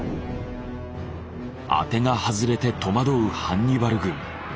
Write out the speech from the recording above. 当てが外れて戸惑うハンニバル軍。